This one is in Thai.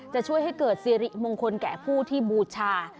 จะช่วยให้เกิดสิริมงคลแก่ผู้ที่บูชา